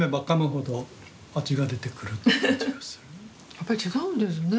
やっぱり違うんですね。